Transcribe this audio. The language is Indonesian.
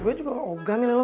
gue juga gak ogah milih lo